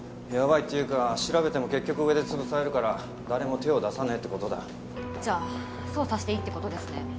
やばいっていうか調べても結局上で潰されるから誰も手を出さねぇってことだじゃあ捜査していいってことですね